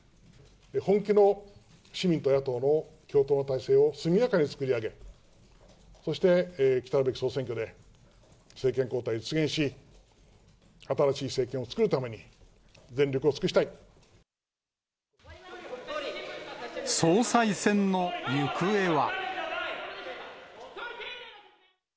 本気の市民と野党の共闘体制を速やかに作り上げ、そして来るべき総選挙で政権交代を実現し、新しい政権を作るために、全力を総裁選の行方は。